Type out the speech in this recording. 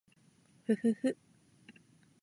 ふふふ